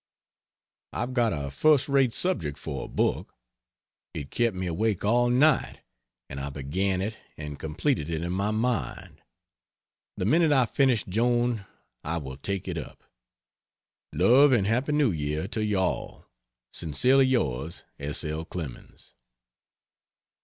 I've got a first rate subject for a book. It kept me awake all night, and I began it and completed it in my mind. The minute I finish Joan I will take it up. Love and Happy New Year to you all. Sincerely yours, S. L. CLEMENS.